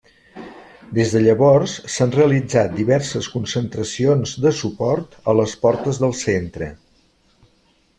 Des de llavors s'han realitzat diverses concentracions de suport a les portes del centre.